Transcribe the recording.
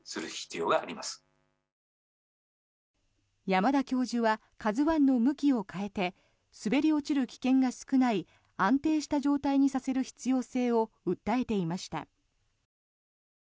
山田教授は「ＫＡＺＵ１」の向きを変えて滑り落ちる危険が少ない安定した状態にする必要性を訴えていました。